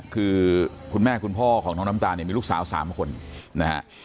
คือคุณแม่คุณพ่อของน้องน้ำตาลมีลูกสาว๓คน